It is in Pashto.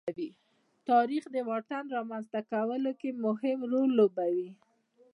تاریخ د واټن رامنځته کولو کې مهم رول لوبوي.